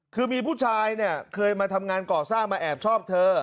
คือมีผู้ชายเนี่ยเคยมาทำงานก่อสร้างมาแอบชอบเธอ